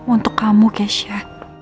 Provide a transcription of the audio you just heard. untuk kamu kesha